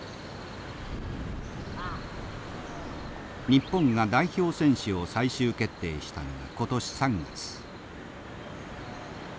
日本が代表選手を最終決定したのは今年３月。